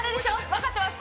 分かってます。